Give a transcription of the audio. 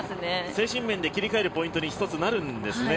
精神面で切り替えるポイントに一つ、なるんですね。